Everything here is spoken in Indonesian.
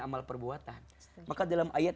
amal perbuatan maka dalam ayat